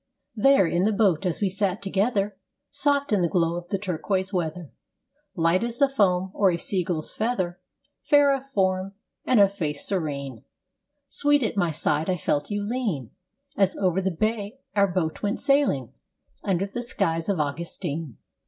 There, in the boat as we sat together, Soft in the glow of the turquoise weather, Light as the foam or a seagull's feather, Fair of form and of face serene, Sweet at my side I felt you lean, As over the bay our boat went sailing Under the skies of Augustine.